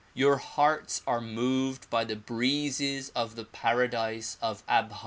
Your hearts are moved by the breezes of the paradise of Abha.